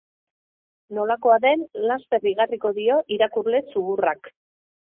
Nolakoa den laster igarriko dio irakurle zuhurrak